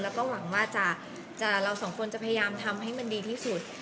แล้วก็หวังว่าเราสองคนจะพยายามทำให้มันดีที่สุด